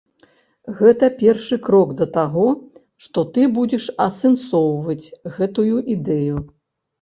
Гэта першы крок да таго, што ты будзеш асэнсоўваць гэтую ідэю.